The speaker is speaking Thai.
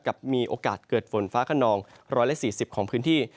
มีโอกาสเกิดฝนฟ้าขนอง๑๔๐ของพื้นที่